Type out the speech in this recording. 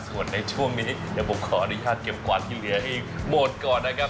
ส่วนในช่วงนี้เดี๋ยวผมขออนุญาตเก็บกวาดที่เหลือให้หมดก่อนนะครับ